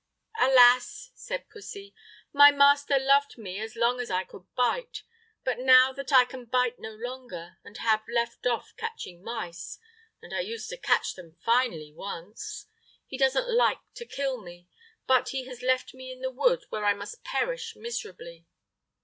"Alas!" said pussy, "my master loved me as long as I could bite, but now that I can bite no longer, and have left off catching mice—and I used to catch them finely once—he doesn't like to kill me, but he has left me in the wood, where I must perish miserably."